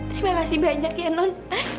terima kasih banyak ya non